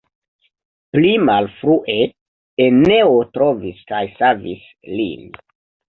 Pli malfrue Eneo trovis kaj savis lin.